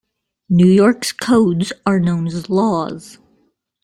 New York's codes are known as Laws.